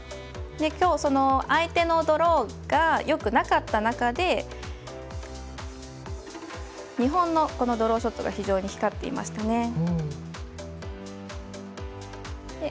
今日、相手のドローがよくなかった中で日本のドローショットが非常に光っていましたね。